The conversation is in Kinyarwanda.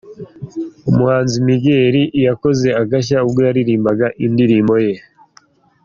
Umuhanzi Miguel yakoze agashya ubwo yaririmbaga indirimbo ye.